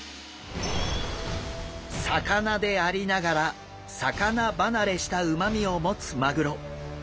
魚でありながら魚離れしたうまみを持つマグロ。